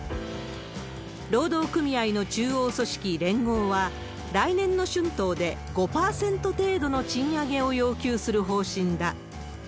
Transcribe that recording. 労働組合の中央組織、連合は、来年の春闘で５％程度の賃上げを要求する方針だ。